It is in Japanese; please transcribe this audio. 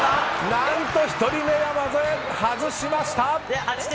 何と１人目、山添外しました。